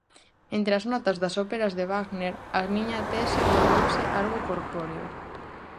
Entre as notas das óperas de Wagner, a miña tese volveuse algo corpóreo.